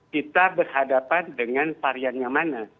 kita berhadapan dengan varian yang mana